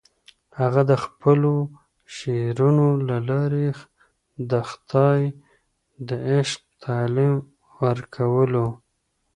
هغه د خپلو شعرونو له لارې د خدای د عشق تعلیم ورکولو.